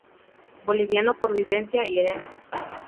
Boliviano por vivencia y herencia.